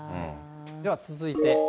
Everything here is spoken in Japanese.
では続いて。